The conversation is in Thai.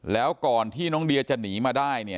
แล้วก่อนที่น้องเดียจะหนีมาได้เนี่ย